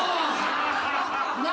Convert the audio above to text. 何？